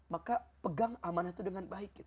maka pegang amanah itu dengan baik